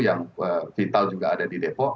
yang vital juga ada di depok